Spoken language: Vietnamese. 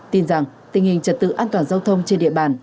tin rằng tình hình trật tự an toàn giao thông trên địa bàn